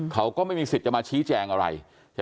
เขาก็ไม่มีสิทธิ์จะมาชี้แจงอะไร